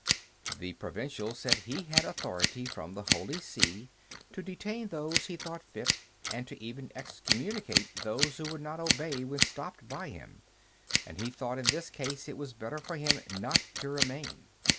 The Provincial said he had authority from the Holy See to detain those he thought fit, and to even excommunicate those who would not obey when stopped by him, and he thought in this case it was better for him not to remain.